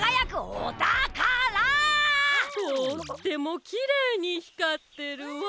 とってもきれいにひかってるわ。